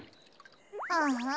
ああ。